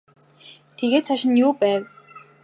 Тэгээд цааш нь юу байв?